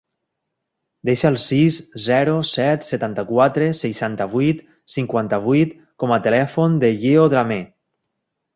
Desa el sis, zero, set, setanta-quatre, seixanta-vuit, cinquanta-vuit com a telèfon del Lleó Drammeh.